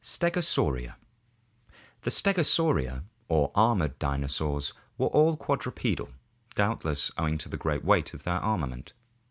(See Fig. 163.) Stegosauria. — The Stegosauria or armored dinosaurs were all quadrupedal, doubtless owing to the great weight of their arma ment.